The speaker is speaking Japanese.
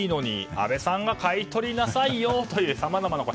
安倍さんが買い取りなさいよとさまざまな声。